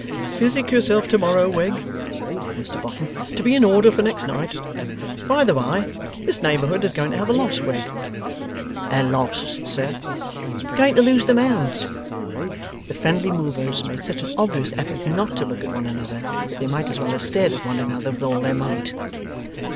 'Physic yourself to morrow, Wegg,' said Mr Boffin, 'to be in order for next night. By the by, this neighbourhood is going to have a loss, Wegg.' 'A loss, sir?' 'Going to lose the Mounds.' The friendly movers made such an obvious effort not to look at one another, that they might as well have stared at one another with all their might.